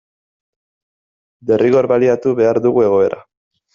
Derrigor baliatu behar dugu egoera.